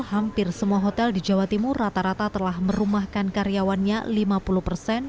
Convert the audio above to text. hampir semua hotel di jawa timur rata rata telah merumahkan karyawannya lima puluh persen